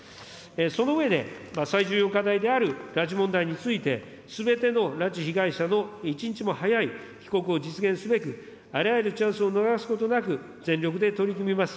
その上で、最重要課題である拉致問題について、すべての拉致被害者の一日も早い帰国を実現すべく、あらゆるチャンスを逃すことなく、全力で取組ます。